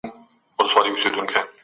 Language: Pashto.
ارغنداب د زرغونتيا نوم دی.